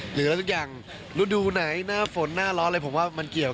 หรืออะไรสักอย่างฤดูไหนหน้าฝนหน้าร้อนอะไรผมว่ามันเกี่ยว